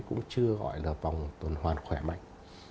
cũng chưa gọi là vòng tuần hoàn khỏe mạnh